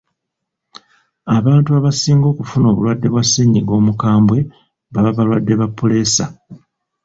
Abantu abasinga okufa obulwadde bwa ssennyiga omukambwe baba balwadde ba puleesa.